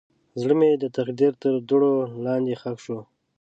زړه مې د تقدیر تر دوړو لاندې ښخ شو.